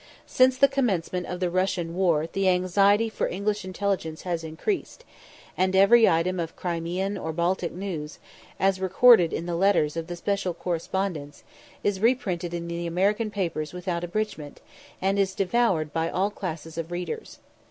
Since the commencement of the Russian war the anxiety for English intelligence has increased, and every item of Crimean or Baltic news, as recorded in the letters of the "special correspondents," is reprinted in the American papers without abridgment, and is devoured by all classes of readers.